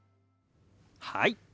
はい。